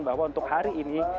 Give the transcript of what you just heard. bahwa untuk hari ini